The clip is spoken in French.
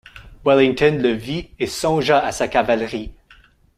Wellington le vit, et songea à sa cavalerie.